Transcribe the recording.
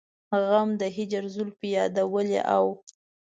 غم د هجر زلفې يادولې او